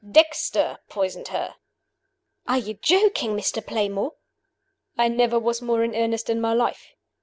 Dexter poisoned her. "Are you joking, Mr. Playmore?" "I never was more in earnest in my life.